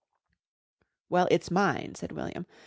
] "Well, it's mine," said William.